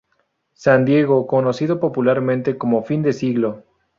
San Diego conocido popularmente como Fin de Siglo.